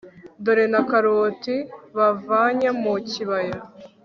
dore na karoti bavanye mu kibaya